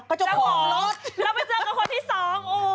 เจ้าของรถแล้วไปเจอกับคนที่สอง